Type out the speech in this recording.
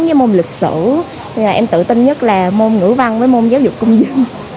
cái môn lịch sử em tự tin nhất là môn ngữ văn với môn giáo dục công dân